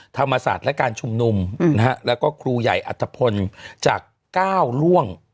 ธรรมศาสตร์และการชุมนุมแล้วก็ครูใหญ่อัตภพลจากก้าวล่วง